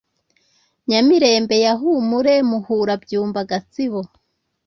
Nyamirembe ya Humure Muhura Byumba Gatsibo